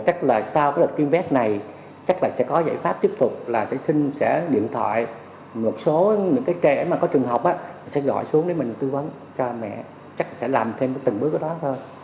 chúng ta phải điện thoại xuống để mình tư vấn cho mẹ chắc sẽ làm thêm từng bước đó thôi